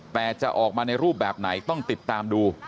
แต่จะออกมาในรูปแบบไหนต้องติดตามดู